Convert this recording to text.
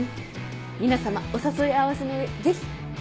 皆様お誘い合わせの上ぜひ！